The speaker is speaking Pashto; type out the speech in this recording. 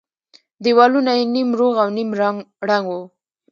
دېوالونه يې نيم روغ او نيم ړنگ وو.